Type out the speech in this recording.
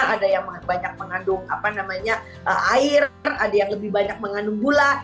ada yang banyak mengandung air ada yang lebih banyak mengandung gula